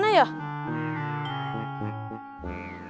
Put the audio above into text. kayaknya sih jatoh pas kita lari tadi